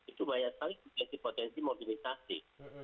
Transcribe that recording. itu banyak sekali potensi potensi mobilisasi